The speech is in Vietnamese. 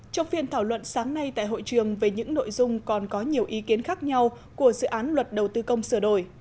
trong phiên thảo luận sáng nay tại hội trường về những nội dung còn có nhiều ý kiến khác nhau của dự án luật đầu tư công sửa đổi